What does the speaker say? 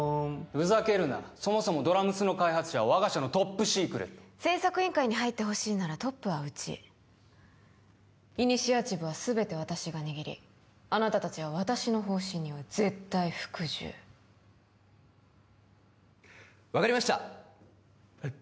ふざけるなそもそもドラ娘の開発者は我が社のトップシークレット製作委員会に入ってほしいならトップはうちイニシアチブはすべて私が握りあなた達は私の方針には絶対服従分かりましたえっ？